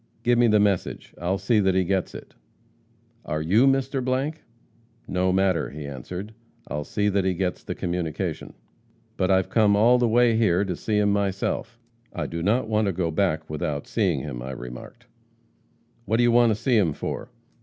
'Give me the message; I'll see that he gets it.' 'Are you Mr. ?' 'No matter,' he answered, 'I'll see that he gets the communication.' 'But I've come all the way here to see him myself. I do not want to go back without seeing him,' I remarked. 'What do you want to see him for?'